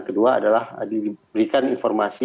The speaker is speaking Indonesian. kedua adalah diberikan informasi